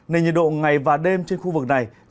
nên nhiệt độ ngày và đêm trên khu vực thừa thiên huế